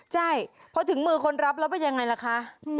ใช่พอถึงมือคนรับแล้วเป็นยังไงล่ะคะ